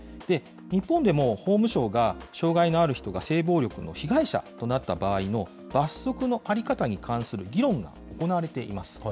日本でも法務省が、障害のある人が性暴力の被害者となった場合の罰則の在り方に関する議論が行われています。